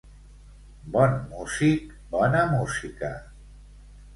Bon músic, bona música.